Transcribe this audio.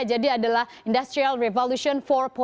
jadi adalah industrial revolution empat